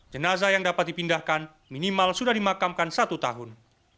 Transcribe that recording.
jenazah yang dapat dipindahkan minimal sudah dimakamkan satu tahun